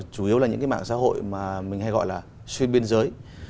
chủ yếu là những cái mạng xã hội mà mình hay gọi là xuyên biên giới